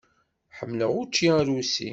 Ḥemmleɣ učči arusi.